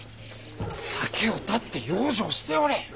酒を断って養生しておれ！